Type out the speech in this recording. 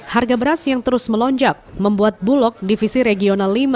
harga beras yang terus melonjak membuat bulog divisi regional lima